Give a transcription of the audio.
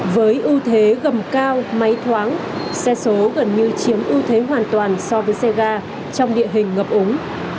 với ưu thế gầm cao máy thoáng xe số gần như chiếm ưu thế hoàn toàn so với xe ga trong địa hình ngập ống